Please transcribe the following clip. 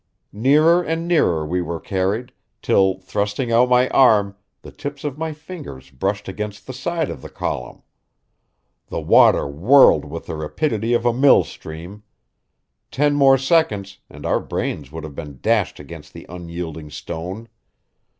Nearer and nearer we were carried, till, thrusting out my arm, the tips of my fingers brushed against the side of the column. The water whirled with the rapidity of a mill stream; ten more seconds and our brains would have been dashed against the unyielding stone.